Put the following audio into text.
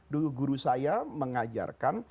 dulu guru saya mengajarkan